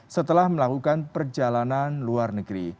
setelah melakukan perjalanan luar negeri